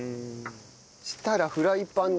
そしたらフライパン。